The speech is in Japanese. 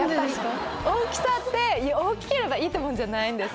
大きさって大きければいいもんじゃない。